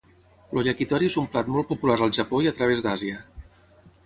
El yakitori és un plat molt popular al Japó i a través d'Àsia.